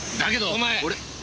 お前！